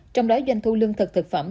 trong đó doanh thu lương thực thực phẩm